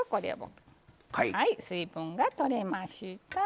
はい水分が取れました。